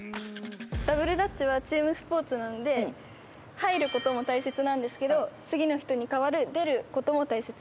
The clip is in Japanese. ダブルダッチはチームスポーツなので入ることも大切なんですけど次の人に代わる出ることも大切になります。